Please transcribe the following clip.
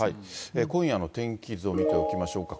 今夜の天気図を見ておきましょうか。